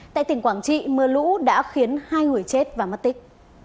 tại tỉnh quảng trị mưa lũ đã khiến hai người chết và mất tích